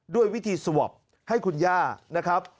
ด้วยวิธีสวอปให้คุณย่านะครับ